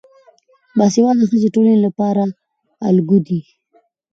باسواده ښځې د ټولنې لپاره الګو دي.